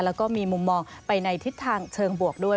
แล้วก็มีมุมมองไปในทิศทางเชิงบวกด้วย